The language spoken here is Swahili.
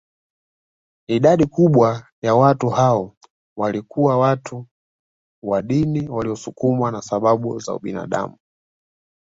Idadi kubwa ya watu hao walikuwa watu wa dini waliosukumwa na sababu za ubinadamu